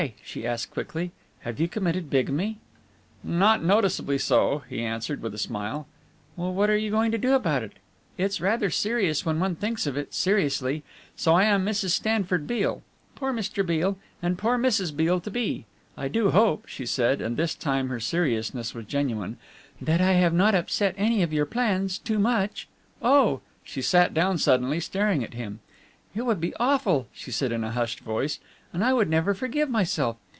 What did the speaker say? she asked quickly. "Have you committed bigamy?" "Not noticeably so," he answered, with a smile. "Well, what are you going to do about it? It's rather serious when one thinks of it seriously. So I am Mrs. Stanford Beale poor Mr. Beale, and poor Mrs. Beale to be. I do hope," she said, and this time her seriousness was genuine, "that I have not upset any of your plans too much. Oh," she sat down suddenly, staring at him, "it would be awful," she said in a hushed voice, "and I would never forgive myself.